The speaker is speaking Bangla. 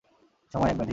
সময় এক ব্যাধি।